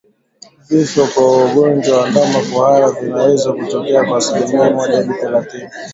Vifo kwa ugonjwa wa ndama kuhara vinaweza kutokea kwa asimilia moja hadi thelathini